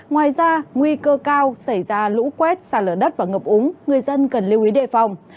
ngoài ra nguy cơ cao xảy ra lũ quét xa lở đất và ngập úng người dân cần lưu ý đề phòng